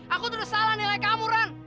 aku terus salah nilai kamu ran